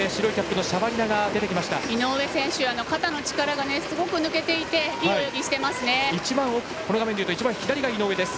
井上選手、肩の力がすごく抜けていていい泳ぎしています。